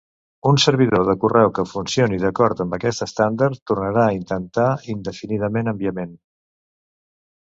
Un servidor de correu que funcioni d'acord amb aquest estàndard tornarà a intentar indefinidament enviament.